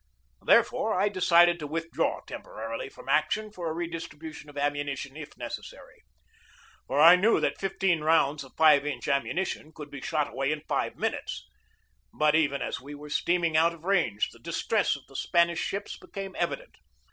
Therefore, I decided to withdraw temporarily from action for a redistribution of ammunition if necessary. For I knew that fifteen rounds of 5 inch ammunition could be shot away in five minutes. But even as we were steaming out of range the distress of the Spanish ships became evident.